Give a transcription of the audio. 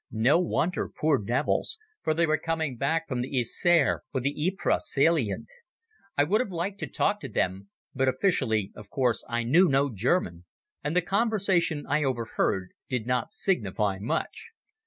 No wonder, poor devils, for they were coming back from the Yser or the Ypres salient. I would have liked to talk to them, but officially of course I knew no German, and the conversation I overheard did not signify much.